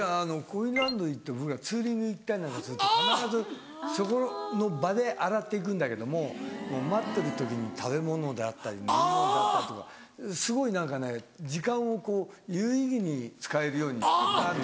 コインランドリーって僕らツーリング行ったりなんかすると必ずそこの場で洗って行くんだけどももう待ってる時に食べ物であったり飲み物であったりとかすごい何かね時間をこう有意義に使えるようにどんどん。